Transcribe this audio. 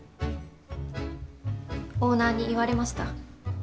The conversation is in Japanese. オーナーに言われました。